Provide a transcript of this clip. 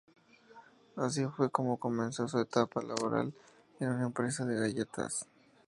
Así fue como comenzó su etapa laboral, en una empresa de galletas.